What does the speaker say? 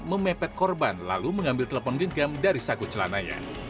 memepet korban lalu mengambil telepon genggam dari sagu celananya